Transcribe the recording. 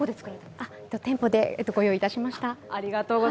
店舗でご用意いたしました。